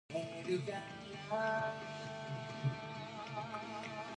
Let me use my mind, Cousin; tell me from the beginning.